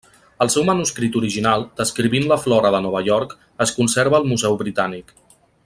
El seu manuscrit original, descrivint la flora de Nova York, es conserva al Museu Britànic.